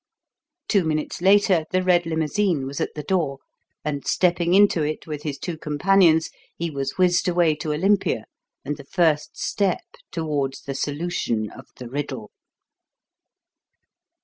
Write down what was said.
Two minutes later the red limousine was at the door, and, stepping into it with his two companions, he was whizzed away to Olympia and the first step towards the solution of the riddle.